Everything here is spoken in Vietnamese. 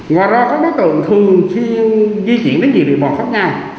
ngoài ra các đối tượng thường di chuyển đến nhiều địa bàn khác nhau